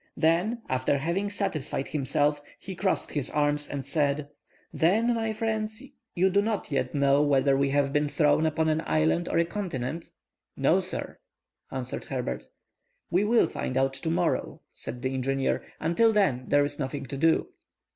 Then, after having satisfied himself, he crossed his arms and said:— "Then, my friends, you do not yet know whether we have been thrown upon an island or a continent?" "No sir," answered Herbert. "We will find out to morrow," said the engineer. "Until then there is nothing to do."